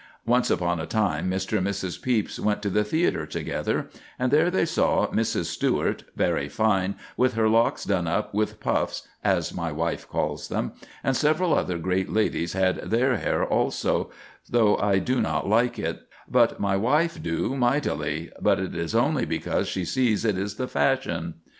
Once upon a time, Mr. and Mrs. Pepys went to the theatre together, and there they saw "Mrs. Stewart, very fine, with her locks done up with puffs, as my wife calls them, and several other great ladies had their hair so, though I do not like it; but my wife do mightily; but it is only because she sees it is the fashion."